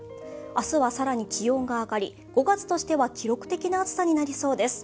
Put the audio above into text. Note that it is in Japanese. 明日は更に気温が上がり５月としては記録的な暑さになりそうです。